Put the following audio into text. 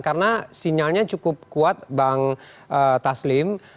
karena sinyalnya cukup kuat bang taslim